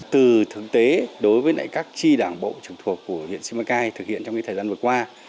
từ thực tế đối với các chi đảng bộ trực thuộc của huyện simacai thực hiện trong thời gian vừa qua